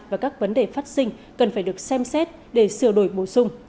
và các vấn đề phát sinh cần phải được xem xét để sửa đổi bổ sung